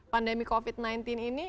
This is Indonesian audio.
pandemi covid sembilan belas ini